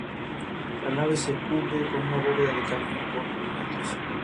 La nave se cubre con una bóveda de cañón con lunetos.